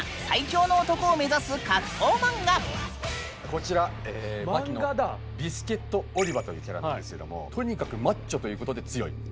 こちら「バキ」のビスケット・オリバというキャラなんですけどもとにかくマッチョということで強い。